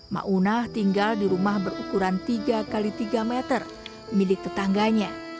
maunah tinggal di rumah berukuran tiga x tiga meter milik tetangganya